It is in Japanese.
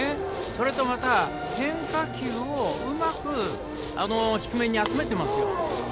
それと変化球をうまく低めに集めていますよ。